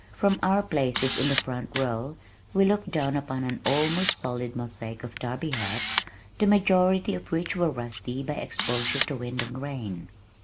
From our places in the front row we looked down upon an almost solid mosaic of derby hats, the majority of which were rusty by exposure to wind and rain.